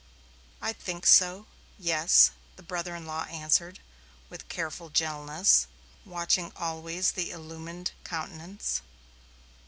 "I think so yes," the brother in law answered, with careful gentleness, watching always the illumined countenance.